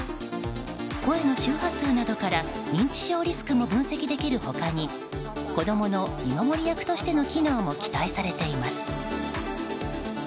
声の周波数などから認知症リスクも分析できる他に子供の見守り役としての機能も期待されています。